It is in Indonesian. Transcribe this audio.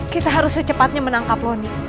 kita harus secepatnya menangkap lony